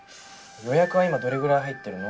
予約は今どれぐらい入ってるの？